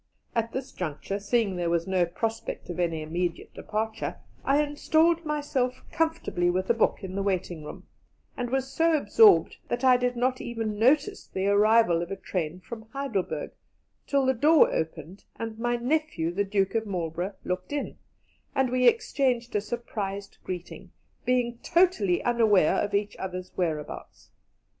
At this juncture, seeing there was no prospect of any immediate departure, I installed myself comfortably with a book in the waiting room, and was so absorbed that I did not even notice the arrival of a train from Heidelberg, till the door opened, and my nephew, the Duke of Marlborough, looked in, and we exchanged a surprised greeting, being totally unaware of each other's whereabouts.